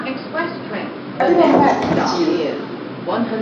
Abiro manye echiro